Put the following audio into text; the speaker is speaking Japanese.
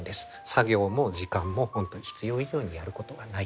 作業も時間も本当に必要以上にやることはない。